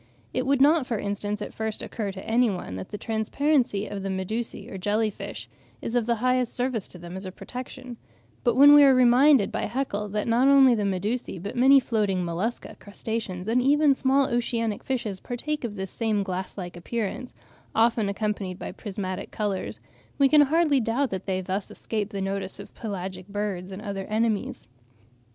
It would not, for instance, at first occur to any one that the transparency of the Medusae, or jelly fish, is of the highest service to them as a protection; but when we are reminded by Haeckel that not only the Medusae, but many floating Mollusca, crustaceans, and even small oceanic fishes partake of this same glass like appearance, often accompanied by prismatic colours, we can hardly doubt that they thus escape the notice of pelagic birds and other enemies.